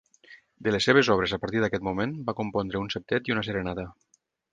De les seves obres a partir d'aquest moment, va compondre un septet i una serenata.